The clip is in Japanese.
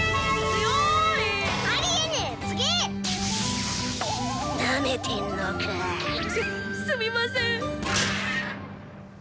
すっすみません。